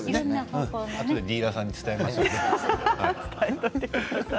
あとでディーラーさんに伝えましょう。